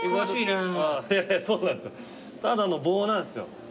ただの棒なんですよ。